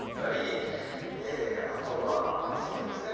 あとはそうですね